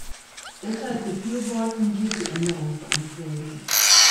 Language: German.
Deshalb befürworten wir die Änderungsanträge.